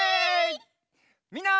みんな！